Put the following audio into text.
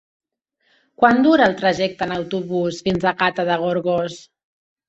Quant dura el trajecte en autobús fins a Gata de Gorgos?